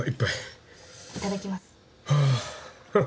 いただきます。